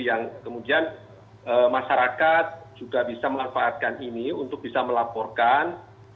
yang kemudian masyarakat juga bisa memanfaatkan ini untuk bisa melaporkan